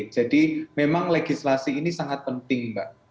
jadi memang legislasi ini sangat penting mbak